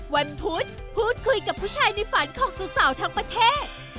วันพุธพูดคุยกับผู้ชายในฝันของสาวทั้งประเทศ